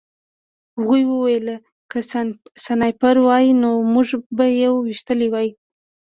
هغوی وویل که سنایپر وای نو موږ به یې ویشتلي وو